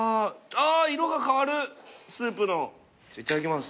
あ色が変わるスープのいただきます